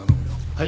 はい。